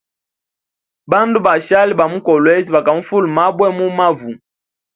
Bandu basheli ba mu Kolwezi bakamufula mabwa mumavu.